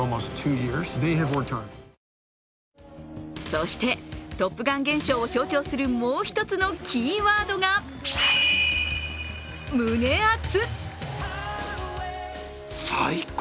そして、「トップガン」現象を象徴する、もう１つのキーワードが胸熱！